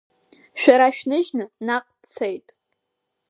Шәара шәныжьны наҟ дцеит.